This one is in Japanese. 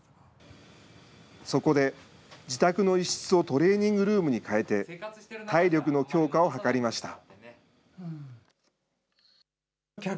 そこで、自宅の一室をトレーニングルームに変えて、体力の強化を図りました。